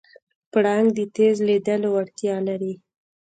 پړانګ د تېز لیدلو وړتیا لري.